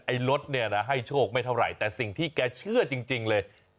รถเนี่ยนะให้โชคไม่เท่าไหร่แต่สิ่งที่แกเชื่อจริงเลย